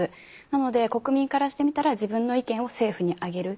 なので国民からしてみたら自分の意見を政府にあげる。